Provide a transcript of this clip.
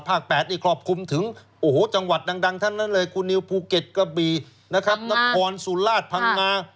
ภาค๘ที่ครอบคลุมถึงจังหวัดดังท่านั้นเลยคุณิวภูเก็ตกะบีนัทพรสุรราชพังงา